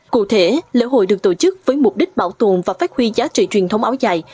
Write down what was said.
cụ thể lễ hội được tổ chức với mục đích bảo tồn và phát huy giá trị truyền thống áo dài